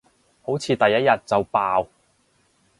好似第一日就爆